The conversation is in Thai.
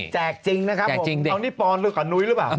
แจกจริงนะครับเอานี่พรเลยกับหนุ๊ยบ้าง